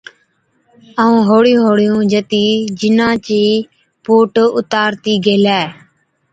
ائُون هوڙِيُون هوڙِيُون جتِي جِنا چي پُوٽ اُتارتِي گيهلي۔